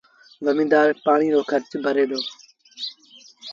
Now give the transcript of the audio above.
زميݩدآر پآڻي رو کرچ ڀري دو